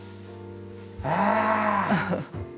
ああ！